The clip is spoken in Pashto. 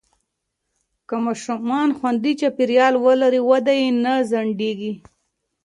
که ماشومان خوندي چاپېریال ولري، وده یې نه ځنډېږي.